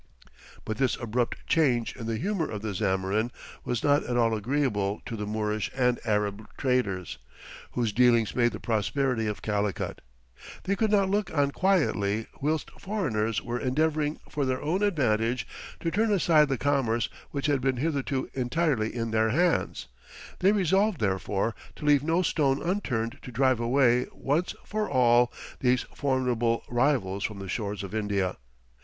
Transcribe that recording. But this abrupt change in the humour of the Zamorin was not at all agreeable to the Moorish and Arab traders, whose dealings made the prosperity of Calicut. They could not look on quietly whilst foreigners were endeavouring for their own advantage to turn aside the commerce which had been hitherto entirely in their hands; they resolved, therefore, to leave no stone unturned to drive away once for all these formidable rivals from the shores of India.